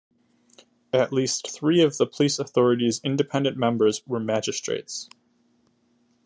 At least three of the police authority's independent members were magistrates.